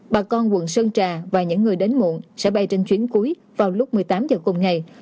bà con quận sơn trà và những người đến muộn sẽ bay trên chuyến cuối vào lúc một mươi tám h cùng ngày